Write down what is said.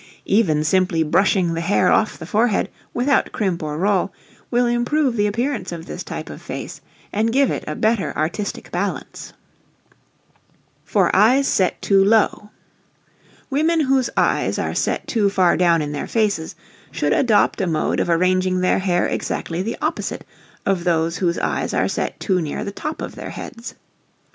Even simply brushing the hair off the forehead without crimp or roll will improve the appearance of this type of face and give it a better artistic balance. [Illustration: NO. 9] [Illustration: NO. 10] For Eyes Set Too Low. Women whose eyes are set too far down in their faces should adopt a mode of arranging their hair exactly the opposite of those whose eyes are set too near the top of their heads.